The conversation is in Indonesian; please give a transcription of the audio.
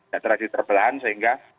dan terhadap terbelahan sehingga